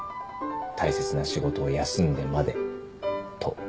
大切な仕事を休んでまでと。